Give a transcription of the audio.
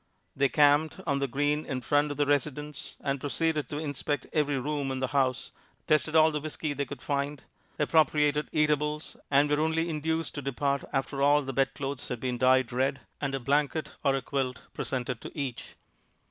They camped on the green in front of the residence, and proceeded to inspect every room in the house, tested all the whisky they could find, appropriated eatables, and were only induced to depart after all the bedclothes had been dyed red, and a blanket or a quilt presented to each.